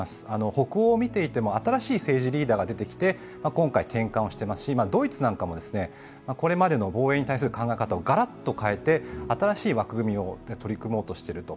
北欧を見ていても新しい政治リーダーが出てきて今回、転換をしていますし、ドイツなんかもこれまでの防衛に関する考え方をガラッと変えて、新しい枠組みに取り組もうとしていると。